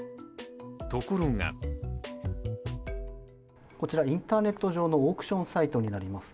ところがこちら、インターネット上のオークションサイトになります。